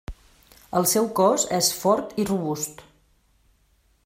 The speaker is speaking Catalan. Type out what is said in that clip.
El seu cos és fort i robust.